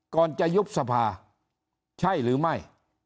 ก่อนจะยุบสภาใช่หรือไม่